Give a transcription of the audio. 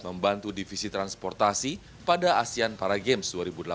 membantu divisi transportasi pada asean para games dua ribu delapan belas